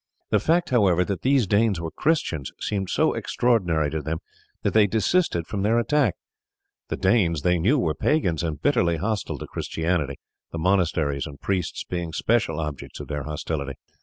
The fact, however, that these Danes were Christians seemed so extraordinary to them that they desisted from their attack. The Danes, they knew, were pagans and bitterly hostile to Christianity, the monasteries and priests being special objects of their hostility.